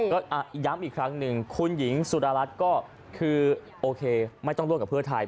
ก็ย้ำอีกครั้งหนึ่งคุณหญิงสุดารัฐก็คือโอเคไม่ต้องร่วมกับเพื่อไทย